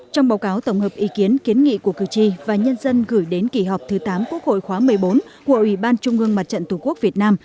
trong báo cáo tổng hợp ý kiến kiến nghị của cử tri và nhân dân gửi đến kỳ họp thứ tám quốc hội khóa một mươi bốn của ủy ban trung ương mặt trận tổ quốc việt nam